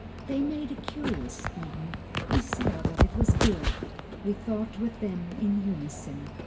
They made a curious Eden. We saw that it was good. We thought with them in unison.